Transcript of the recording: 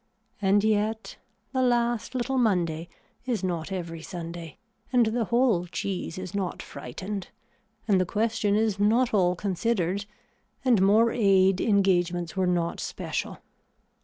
And yet the last little Monday is not every Sunday and the whole cheese is not frightened and the question is not all considered and more aid engagements were not special.